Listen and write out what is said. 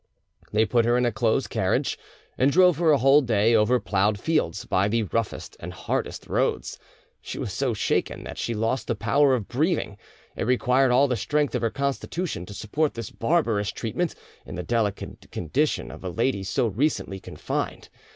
They put her in a close carriage, and drove her a whole day over ploughed fields, by the roughest and hardest roads. She was so shaken that she lost the power of breathing; it required all the strength of her constitution to support this barbarous treatment in the delicate condition of a lady so recently confined.